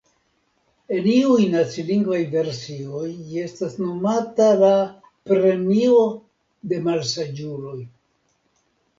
En iuj nacilingvaj versioj ĝi estas nomata la "Premio de malsaĝuloj".